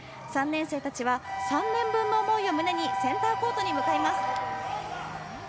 ３年生たちは３年分の思いを胸にセンターコートに向かいます。